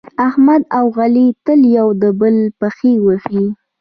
احمد او علي تل یو د بل پښې وهي.